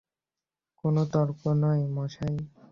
কোন তর্ক নয়, মশাই।